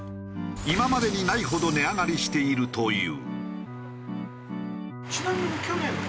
今までにないほど値上がりしているという。